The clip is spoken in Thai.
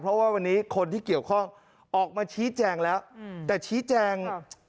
เพราะว่าวันนี้คนที่เกี่ยวข้องออกมาชี้แจงแล้วแต่ชี้แจง